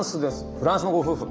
フランスのご夫婦。